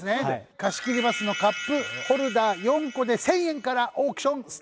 貸切バスのカップホルダー４個で１０００円からオークションスタートです！